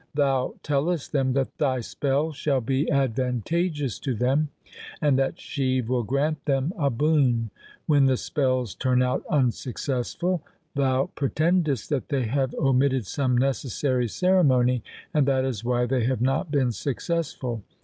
Thou tellest them that thy spell shall be advantageous to them, and that Shiv will grant them a boon. When the spells turn out unsuccessful, thou pre tendest that they have omitted some necessary ceremony, and that is why they have not been successful.